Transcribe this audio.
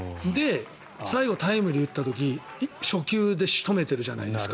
最後打った時初球で仕留めてるじゃないですか。